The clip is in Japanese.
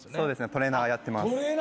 トレーナーやってます。